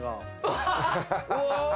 うわ。